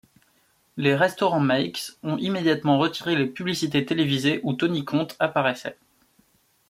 Les restaurants Mikes ont immédiatement retiré les publicités télévisées où Tony Conte apparaissait.